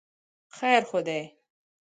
خیر خو دی.